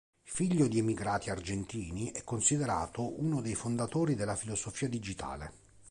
Figlio di emigranti argentini è considerato uno dei fondatori della filosofia digitale.